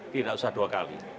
tidak usah dua kali